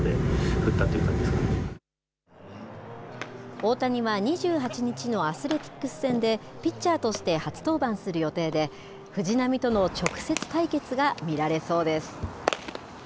大谷は２８日のアスレティックス戦でピッチャーとして初登板する予定で、藤浪との直接対決が見られそうです。